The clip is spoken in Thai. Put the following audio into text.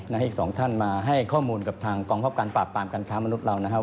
และอีกสองท่านมาให้ข้อมูลกับทางกองครอบการปราบปรามการค้ามนุษย์เรานะครับ